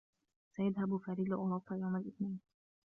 سيذهب فريد لأوروبا يوم الإثنين.